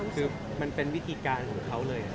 คือมันเป็นวิธีการของเขาเลย